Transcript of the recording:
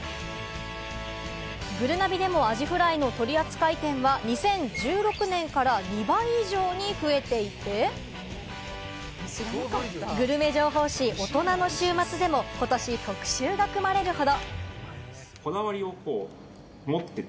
ぐるなびでもアジフライの取り扱い店は２０１６年から２倍以上に増えていて、グルメ情報誌『おとなの週末』でも今年、特集が組まれるほど。